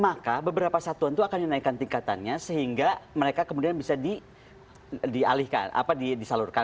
maka beberapa satuan itu akan dinaikkan tingkatannya sehingga mereka kemudian bisa dialihkan disalurkan